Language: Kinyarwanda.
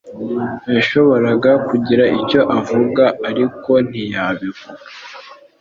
yashoboraga kugira icyo avuga, ariko ntiyabivuze.